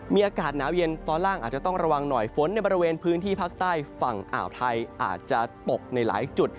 มีอากาศหนาวเย็นตอนล่างอาจจะต้องระวังหน่อยฝนในบริเวณพื้นที่ภาคใต้ฝั่งอ่าวไทยอาจจะตกในหลายจุด